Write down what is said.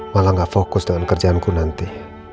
malah gak fokus dengan kerjaanku nanti